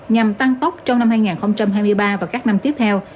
nhằm tăng tốc trong năm hai nghìn hai mươi ba và các năm tiếp theo